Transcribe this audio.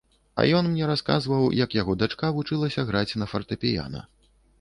А мне ён расказваў, як яго дачка вучылася граць на фартэпіяна.